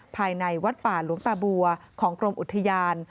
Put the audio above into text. ภายในวัดป่าหลวงตาบัวของกรมอุทยาน